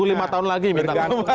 tunggu lima tahun lagi minta maaf